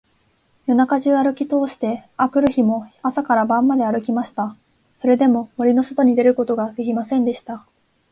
夜中じゅうあるきとおして、あくる日も朝から晩まであるきました。それでも、森のそとに出ることができませんでした。